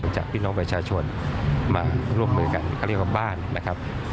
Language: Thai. จากพี่น้องประชาชนมาร่วมมือกันเขาเรียกว่าบ้านนะครับ